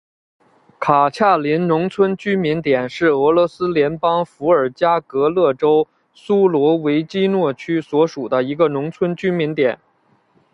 卡恰林农村居民点是俄罗斯联邦伏尔加格勒州苏罗维基诺区所属的一个农村居民点。